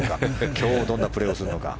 今日どんなプレーをするのか。